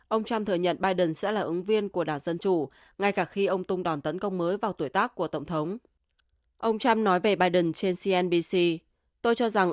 ông trump thừa nhận biden sẽ là ứng viên của đảng dân chủ ngay cả khi ông tung đòn tấn công mới vào tuổi tác của tổng thống